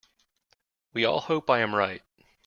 We all hope I am right.